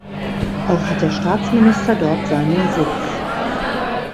Auch hat der Staatsminister dort seinen Sitz.